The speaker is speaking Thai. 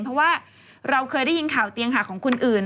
เพราะว่าเราเคยได้ยินข่าวเตียงหาของคนอื่น